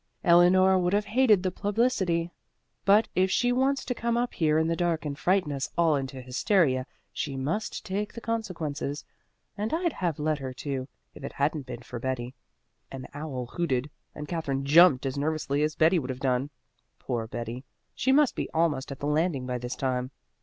"Eleanor would have hated the publicity, but if she wants to come up here in the dark and frighten us all into hysteria she must take the consequences. And I'd have let her too, if it hadn't been for Betty." An owl hooted, and Katherine jumped as nervously as Betty would have done. Poor Betty! She must be almost at the landing by this time.